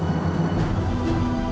aku dapat keto kalle's